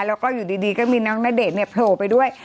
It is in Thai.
แล้วก็อยู่ดีก็มีน้องณเดชน์เนี่ยโผล่ไปด้วย